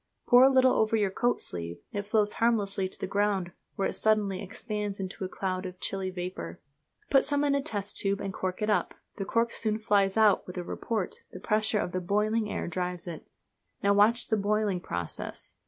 Pour a little over your coat sleeve. It flows harmlessly to the ground, where it suddenly expands into a cloud of chilly vapour. Put some in a test tube and cork it up. The cork soon flies out with a report the pressure of the boiling air drives it. Now watch the boiling process.